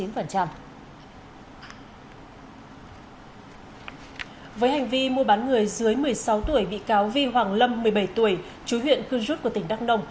với hành vi mua bán người dưới một mươi sáu tuổi bị cáo vi hoàng lâm một mươi bảy tuổi chú huyện cư rút của tỉnh đắk nông